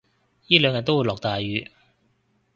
依兩日都會落大雨